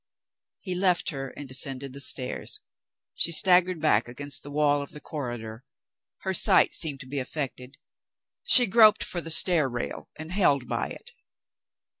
He left her, and descended the stairs. She staggered back against the wall of the corridor. Her sight seemed to be affected. She groped for the stair rail, and held by it.